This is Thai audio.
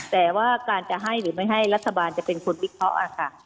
แต่ว่าการจะให้หรือไม่ให้รัฐบาลจะเป็นคนวิเคราะห์ค่ะ